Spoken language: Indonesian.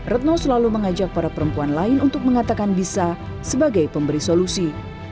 retno selalu mengajak para perempuan lain untuk mengatakan bisa sebagai pemberi solusi